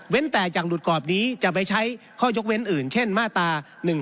แต่จากดูดกรอบนี้จะไปใช้ข้อยกเว้นอื่นเช่นมาตรา๑๔